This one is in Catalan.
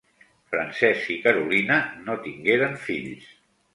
Francesc i Carolina no tingueren fills.